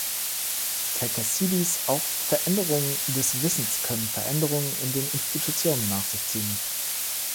Terkessidis: „Auch Veränderungen des Wissens können Veränderungen in den Institutionen nach sich ziehen.